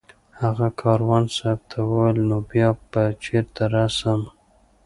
هغه کاروان صاحب ته وویل نو بیا به چېرې رسم